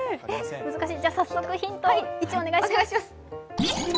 難しい、早速ヒント１をお願いします。